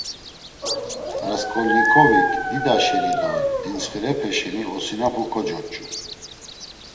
Rasǩolnikovik dida şeni do dintsxirepeşi osinapus kocoç̌u.